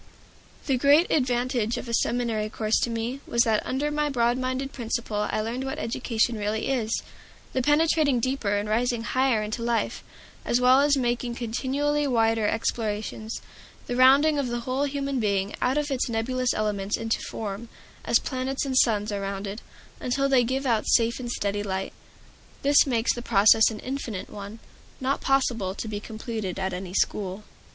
The great advantage of a seminary course to me was that under my broad minded Principal I learned what education really is: the penetrating deeper and rising higher into life, as well as making continually wider explorations; the rounding of the whole human being out of its nebulous elements into form, as planets and suns are rounded, until they give out safe and steady light. This makes the process an infinite one, not possible to be completed at any school.